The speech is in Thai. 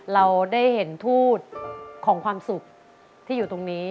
เราได้เห็นทูตของความสุขที่อยู่ตรงนี้